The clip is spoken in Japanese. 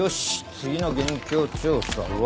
次の現況調査は。